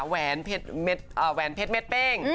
แหวนเพชรเม็ดเป้ง